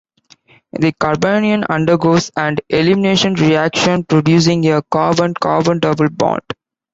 The carbanion undergoes an elimination reaction producing a carbon-carbon double bond.